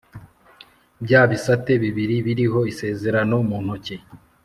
bya bisate bibiri biriho isezerano mu ntoki